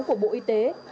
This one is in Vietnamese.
của bộ y tế